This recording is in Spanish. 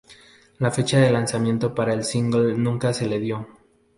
La fecha de lanzamiento para el single nunca se le dio.